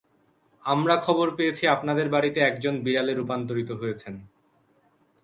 আমরা খবর পেয়েছি আপনাদের বাড়িতে একজন বিড়ালে রূপান্তরিত হয়েছেন।